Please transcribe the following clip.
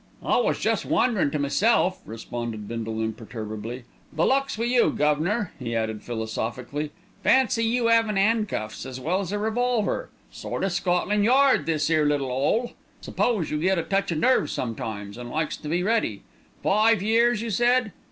"I was just wonderin' to meself," responded Bindle imperturbably. "The luck's wi' you, guv'nor," he added philosophically. "Fancy you 'avin' 'andcuffs as well as a revolver! Sort o' Scotland Yard, this 'ere little 'ole. 'Spose you get a touch of nerves sometimes, and likes to be ready. Five years, you said.